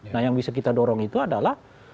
nah yang bisa kita dorong itu adalah